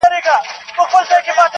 پخوانیو زمانو کي یو دهقان وو-